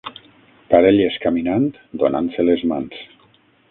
Parelles caminant donant-se les mans